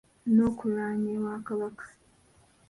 N’okulwanya ewa kabaka.